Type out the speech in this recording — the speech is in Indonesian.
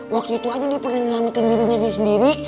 waktu itu aja dia pernah ngelamakin dirinya dia sendiri